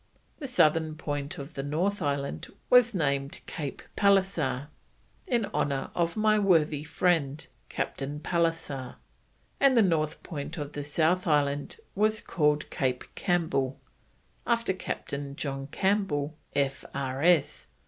The southern point of the North Island was named "Cape Pallisser, in honour of my worthy friend, Captain Pallisser," and the north point of the South Island was called Cape Campbell, after Captain John Campbell, F.R.S.